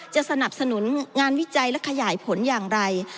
จะสนับสนุนงานวิจัยและขยายผลอย่างไร